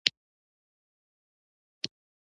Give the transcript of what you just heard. د پلار د وسلې هوس پوړونی والوزاوه.